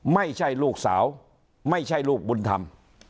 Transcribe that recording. ไม่ใช่ลูกสาวไม่ใช่ลูกบุญธรรม